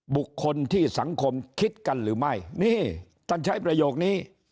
บุคคลที่สังคมคิดกันหรือไม่นี่ท่านใช้ประโยคนี้